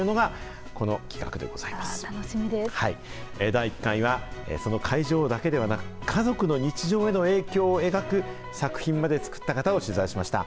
第１回はその会場だけではなく、家族の日常への影響を描く作品まで作った方を取材しました。